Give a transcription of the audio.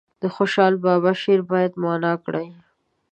د خوشحال بابا شعر باید معنا کړي.